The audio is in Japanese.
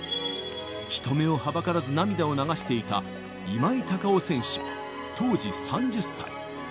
人目をはばからず涙を流していた今井隆生選手、当時３０歳。